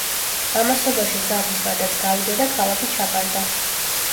ამასობაში ზავის ვადაც გავიდა და ქალაქი ჩაბარდა.